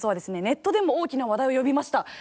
ネットでも大きな話題を呼びました。